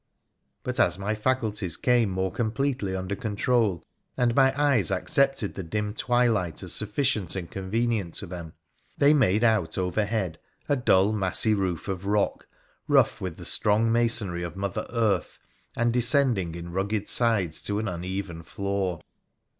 But as my faculties came more completely under control, and my eyes accepted the dim twilight as sufficient and convenient to them, they made out overhead a dull, massy roof of rock, rough with the strong masonry of mother earth, and descending in rugged sides to an uneven floor.